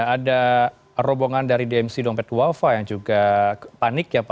ada robongan dari dmc dompet dua afa yang panik